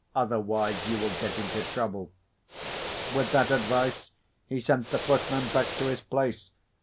Otherwise, you will get into trouble." With that advice, he sent the footman back to his place.